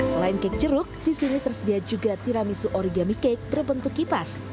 selain cake jeruk di sini tersedia juga tiramisu origami cake berbentuk kipas